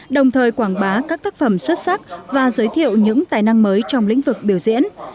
đồng thời quảng bá các tác phẩm xuất sắc và giới thiệu những tài năng mới trong lĩnh vực biểu diễn